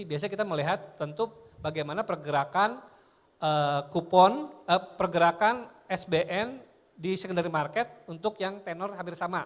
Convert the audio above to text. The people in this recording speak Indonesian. biasanya kita melihat tentu bagaimana pergerakan kupon pergerakan sbn di secondary market untuk yang tenor hampir sama